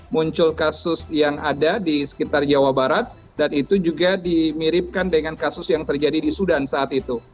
muncul kasus yang ada di sekitar jawa barat dan itu juga dimiripkan dengan kasus yang terjadi di sudan saat itu